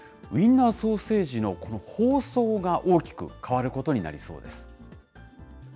ウインナーソーセージの包装が大きく変わることになりそうです。